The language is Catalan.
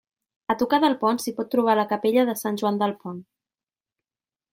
A tocar del pont s'hi pot trobar la Capella de Sant Joan del Pont.